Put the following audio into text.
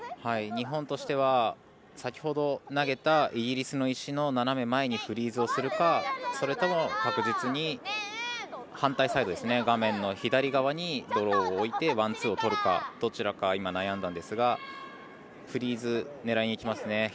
日本としては、先ほど投げたイギリスの石の前にフリーズをするか、それとも確実に、反対サイド画面左側にドローを置いてワン、ツーを置くかどちらかな悩んだんですがフリーズ狙いにきますね。